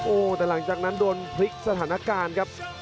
โอ้โหแต่หลังจากนั้นโดนพลิกสถานการณ์ครับ